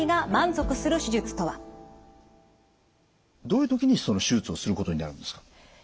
どういう時にその手術をすることになるんですか？